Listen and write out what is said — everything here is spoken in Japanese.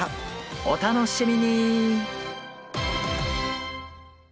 お楽しみに！